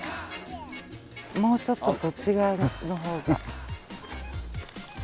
もうちょっとそっち側の方が。